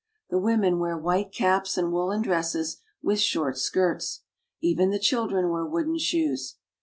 The women wear white caps and woolen dresses with short skirts. Even the children wear wooden shoes.